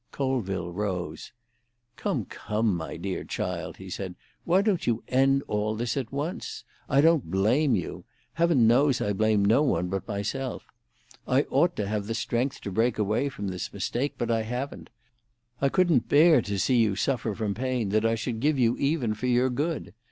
Colville rose. "Come, come, my dear child," he said, "why don't you end all this at once? I don't blame you. Heaven knows I blame no one but myself! I ought to have the strength to break away from this mistake, but I haven't. I couldn't bear to see you suffer from pain that I should give you even for your good.